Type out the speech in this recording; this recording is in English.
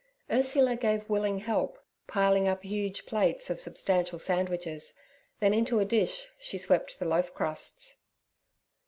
Ursula gave willing help, piling up huge plates of substantial sandwiches, then into a dish she swept the loaf crusts.